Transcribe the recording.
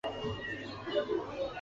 职业足球员全国联盟共同创立。